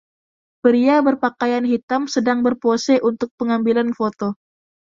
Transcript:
Pria berpakaian hitam sedang berpose untuk pengambilan foto.